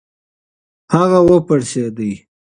هغه و پړسېډی .